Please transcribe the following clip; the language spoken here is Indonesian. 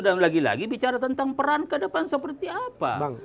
dan lagi lagi bicara tentang peran ke depan seperti apa